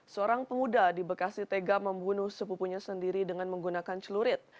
seorang pemuda di bekasi tega membunuh sepupunya sendiri dengan menggunakan celurit